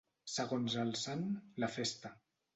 Segons el sant, la festa.